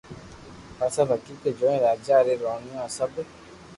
آ سب حقيقت جوئين راجا ري راڻيو آ سب